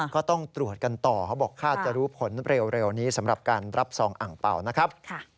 ก็ต้องตรวจกันต่อเขาบอกคาดจะรู้ผลเร็วนี้สำหรับการรับซองอ่างเป่านะครับ